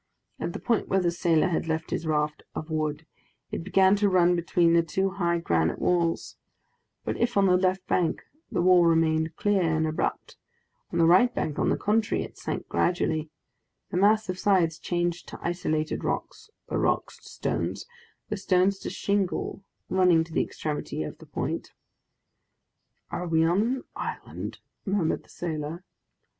At the point where the sailor had left his raft of wood, it began to run between the two high granite walls; but if on the left bank the wall remained clear and abrupt, on the right bank, on the contrary, it sank gradually, the massive sides changed to isolated rocks, the rocks to stones, the stones to shingle running to the extremity of the point. "Are we on an island?" murmured the sailor.